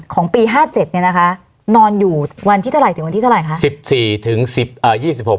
ของปี๕๗นอนอยู่วันที่เท่าไหร่ถึงวันที่เท่าไหร่คะ